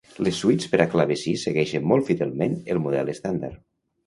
Les suites per a clavecí segueixen molt fidelment el model estàndard.